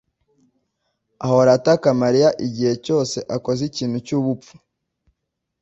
ahora ataka Mariya igihe cyose akoze ikintu cyubupfu.